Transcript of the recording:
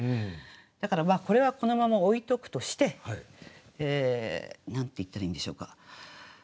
だからこれはこのまま置いとくとして何て言ったらいいんでしょうか。